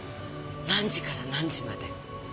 何時から何時まで？